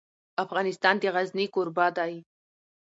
افغانستان د غزني کوربه دی.